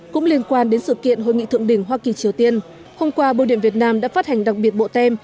cũng liên quan đến sự kiện hội nghị thượng đỉnh hoa kỳ triều tiên hôm qua bưu điện việt nam đã phát hành đặc biệt bộ tem